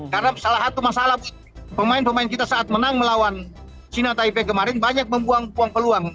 karena salah satu masalah pemain pemain kita saat menang melawan cina tip kemarin banyak membuang peluang